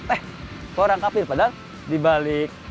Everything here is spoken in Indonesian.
eh kok orang kafir padahal dibalik